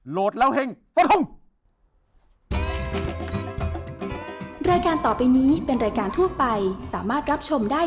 โหลดแล้วเฮ่งสวัสดีครับ